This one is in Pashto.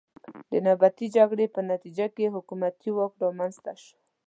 د نیابتي جګړې په نتیجه کې حکومتي واک رامنځته شوی.